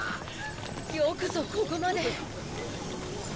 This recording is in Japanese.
よくぞここまで。